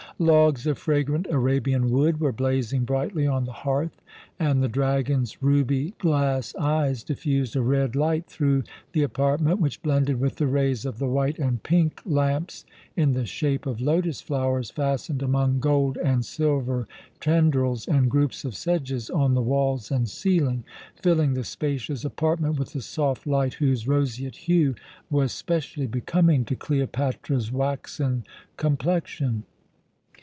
Logs of fragrant Arabian wood were blazing brightly on the hearth, and the dragon's ruby glass eyes diffused a red light through the apartment which, blended with the rays of the white and pink lamps in the shape of lotus flowers fastened among gold and silver tendrils and groups of sedges on the walls and ceiling, filling the spacious apartment with the soft light whose roseate hue was specially becoming to Cleopatra's waxen complexion.